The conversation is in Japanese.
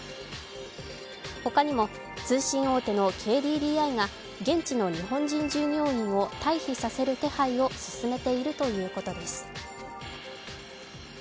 他にも通信大手のＫＤＤＩが現地の日本人従業員を退避させる手配を進めているということです。